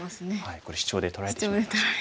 これシチョウで取られてしまいました。